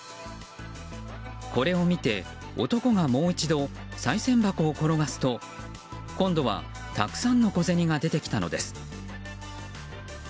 これを見て、男がもう一度さい銭箱を転がすと今度はたくさんの小銭が出てきたのです。